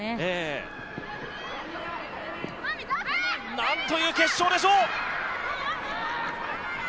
なんという決勝でしょう！